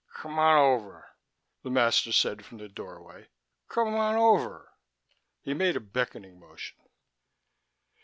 "Come on over," the master said from the doorway. "Come on over." He made a beckoning motion.